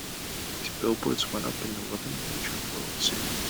These billboards went up in eleven major world cities.